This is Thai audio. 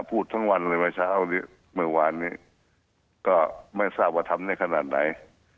พูดทั้งวันเลยเมื่อเช้านี้เมื่อวานนี้ก็ไม่ทราบว่าทำได้ขนาดไหน